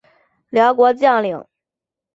辽国将领。